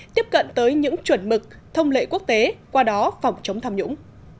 tiếp cận tới những chuẩn mực thông lệ quốc tế qua đó phòng chống tham nhũng